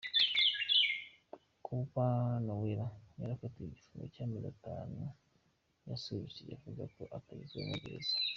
Kuba Noella yarakatiwe igifungo cy’ amezi atanu gisubitse bivuze ko atagezwa muri gereza.